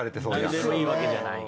何でもいいわけじゃない。